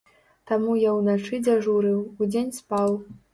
Таму я ўначы дзяжурыў, удзень спаў.